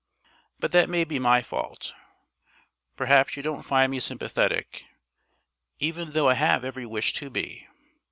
But that may be my fault. Perhaps you don't find me sympathetic, even though I have every wish to be.